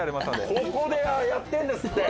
ここでやってるんですって。